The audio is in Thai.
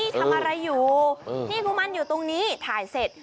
ทำอะไรอยู่นี่กุมันอยู่ตรงนี้ถ่ายเสร็จ